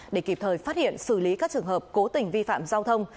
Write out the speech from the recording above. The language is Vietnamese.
để kịp thời phát hiện xử lý các trường hợp cố tình vi phạm giao thông